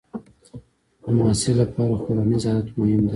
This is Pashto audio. د محصل لپاره خوړنیز عادت مهم دی.